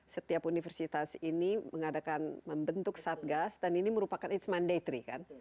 setiap universitas ini mengadakan membentuk satgas dan ini merupakan it's mandatory kan